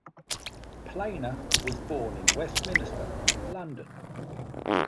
Planer was born in Westminster, London.